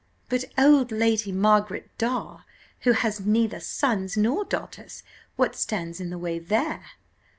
"But old Lady Margaret Dawe, who has neither sons nor daughters, what stands in the way there?